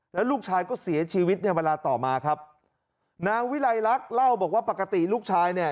แล้วลูกชายก็เสียชีวิตในเวลาต่อมาครับนางวิลัยลักษณ์เล่าบอกว่าปกติลูกชายเนี่ย